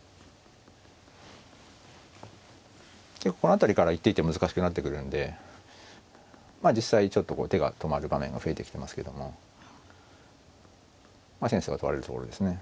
この辺りから一手一手難しくなってくるんでまあ実際ちょっと手が止まる場面が増えてきてますけどもセンスが問われるところですね。